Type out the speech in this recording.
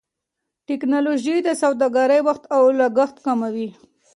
ټکنالوژي د سوداګرۍ وخت او لګښت کموي.